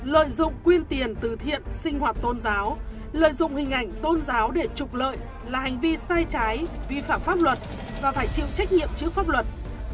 lợi dụng quyên tiền từ thiện sinh hoạt tôn giáo lợi dụng hình ảnh tôn giáo để trục lợi là hành vi sai trái vi phạm pháp luật và phải chịu trách nhiệm trước pháp luật